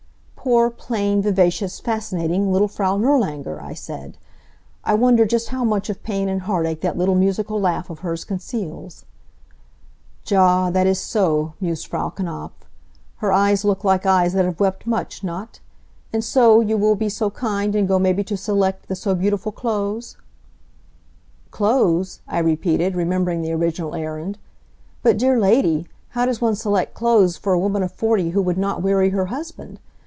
"Poor, plain, vivacious, fascinating little Frau Nirlanger!" I said. "I wonder just how much of pain and heartache that little musical laugh of hers conceals?" "Ja, that is so," mused Frau Knapf. "Her eyes look like eyes that have wept much, not? And so you will be so kind and go maybe to select the so beautiful clothes?" "Clothes?" I repeated, remembering the original errand. "But dear lady! How, does one select clothes for a woman of forty who would not weary her husband?